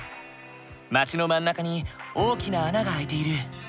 町の真ん中に大きな穴が開いている。